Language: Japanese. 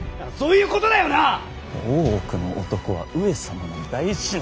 大奥の男は上様の大事な。